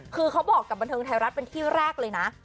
คือเขาบอกกับบันเทิงไทยรัฐเป็นที่แรกเลยนะ